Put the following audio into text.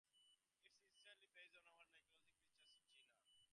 It is essentially based on four mythological creatures of China.